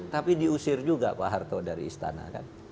tapi diusir juga pak harto dari istana kan